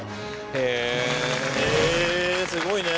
へえすごいね。